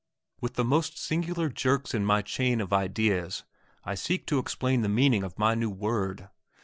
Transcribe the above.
With the most singular jerks in my chain of ideas I seek to explain the meaning of my new word.